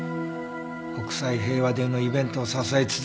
国際平和デーのイベントを支え続けたのも。